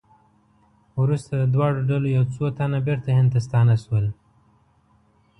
وروسته د دواړو ډلو یو څو تنه بېرته هند ته ستانه شول.